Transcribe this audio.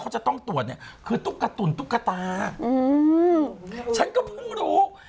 เขาจะต้องตรวจเนี่ยคือตุ๊กกระตุ๋นตุ๊กตาฉันก็เพิ่งรู้